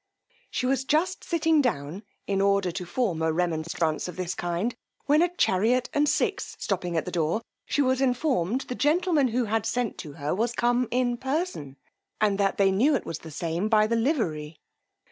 She was just sitting down, in order to form a remonstrance of this kind, when a chariot and six stopping at the door, she was informed the gentleman who had sent to her was come in person, and that they knew it was the same by the livery.